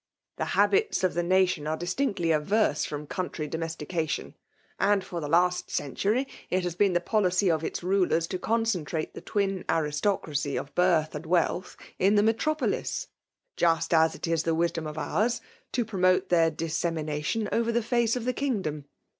''The habits of the nation are distinctly averse from country domestication ; and, for the last ook tury, it has been the policy cf its rulers to concentrate the twin aristocracy of birth and wealth in the metropolis; just as it is the wisdom of ours, to promote their dissemination over the face of the kingdom.